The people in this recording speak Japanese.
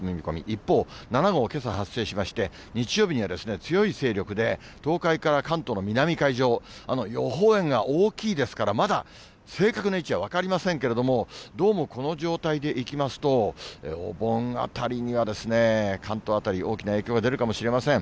一方、７号、けさ発生しまして、日曜日には強い勢力で東海から関東の南海上、予報円が大きいですから、まだ正確な位置は分かりませんけれども、どうもこの状態で行きますと、お盆あたりには関東辺り、大きな影響が出るかもしれません。